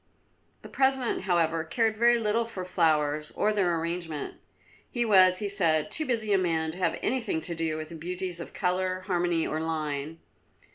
The President, however, cared very little for flowers or their arrangement; he was, he said, too busy a man to have anything to do with the beauties of colour, harmony, or line.